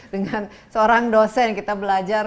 dengan seorang dosen kita belajar